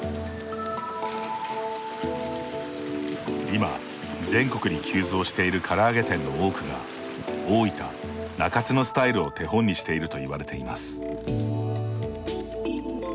今全国に急増しているから揚げ店の多くが大分・中津のスタイルを手本にしているといわれています。